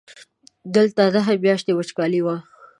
دلته نهه میاشتې وچکالي وه.